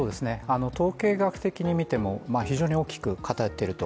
統計学的に見ても、非常に大きく、偏っていると。